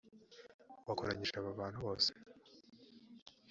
wakoranyije aba bantu bose